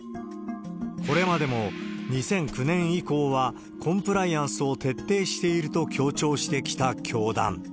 これまでも、２００９年以降はコンプライアンスを徹底していると強調してきた教団。